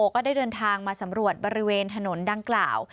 ก็ได้เดินทางมาสำรวจบริเวณถนนดังกล่าว